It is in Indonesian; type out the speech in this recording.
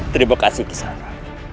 terima kasih kisara